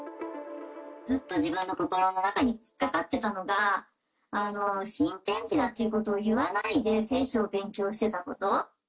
ずっと自分の心の中に引っかかってたのが、新天地だっていうことを言わないで聖書を勉強してたこと。